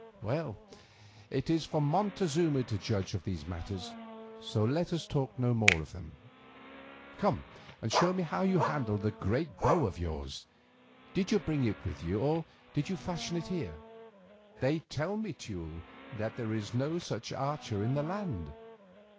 Well, it is for Montezuma to judge of these matters, so let us talk of them no more. Come and show me how you handle that great bow of yours. Did you bring it with you or did you fashion it here? They tell me, Teule, that there is no such archer in the land."